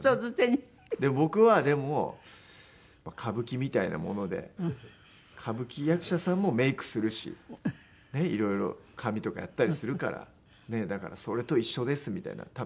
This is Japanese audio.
僕はでも「歌舞伎みたいなもので歌舞伎役者さんもメイクするしいろいろ髪とかやったりするからだからそれと一緒です」みたいな。